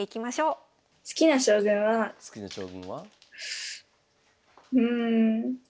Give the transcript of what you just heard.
うん。